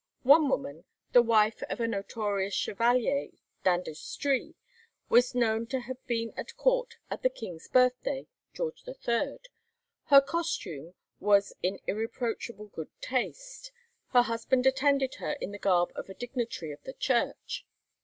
One woman, the wife of a notorious Chevalier d'Industrie, was known to have been at court at the King's birthday (George III.). Her costume was in irreproachable good taste; her husband attended her in the garb of a dignitary of the Church.